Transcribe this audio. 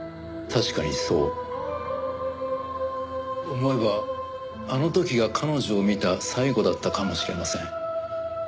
思えばあの時が彼女を見た最後だったかもしれません。